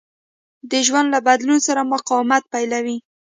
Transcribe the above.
د ژوند له بدلون سره مقاومت پيلوي.